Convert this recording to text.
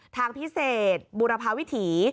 ทางพิเศษบุรพาวิถี